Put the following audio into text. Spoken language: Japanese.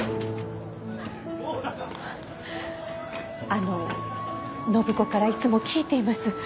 あの暢子からいつも聞いています。